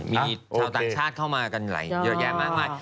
มีชาวต่างชาติเข้ามากันหลายหยอดแย่มาก